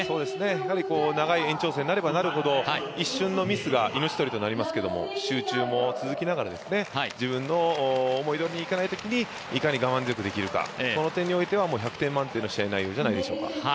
やはり長い延長戦になればなるほど一瞬のミスが命取りになりますけど集中も続けながら自分の思いどおりにいかないときにいかに我慢強くできるか、この点においては１００点満点の試合じゃないでしょうか。